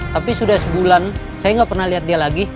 tapi sudah sebulan saya nggak pernah lihat dia lagi